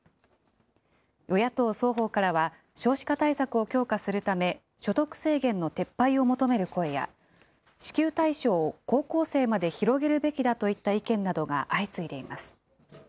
与野党双方からは、少子化対策を強化するため、所得制限の撤廃を求める声や、支給対象を高校生まで広げるべきだといった意見などが相次いでいます。